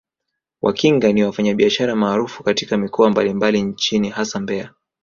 Wakinga ni wafanyabiashara maarufu katika mikoa mbalimbali nchini hasa Mbeya